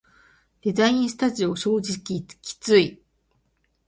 デザインスタジオ正直きつい